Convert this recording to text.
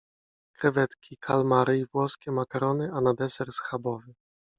Krewetki, kalmary i włoskie makarony a na deser schabowy.